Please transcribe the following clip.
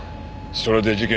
それで事件